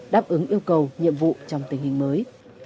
đáp ứng yêu cầu nhiệm vụ trong tình hình mới